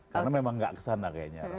karena memang gak kesana kayaknya